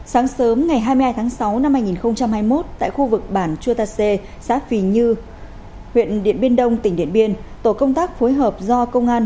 sáng sớm ngày hai mươi hai tháng sáu năm hai nghìn hai mươi một tại khu vực bản chua ta xê xã phì như huyện điện biên đông tỉnh điện biên